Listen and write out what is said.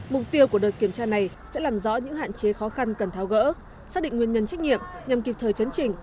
mục tiêu của đợt kiểm tra này sẽ làm rõ những hạn chế khó khăn cần tháo gỡ xác định nguyên nhân trách nhiệm nhằm kịp thời chấn chỉnh